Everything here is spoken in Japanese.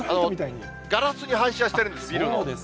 ガラスに反射してるんです、ビルの。